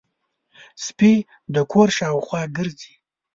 سپي د کور شاوخوا ګرځي.